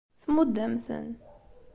Tmudd-am-ten.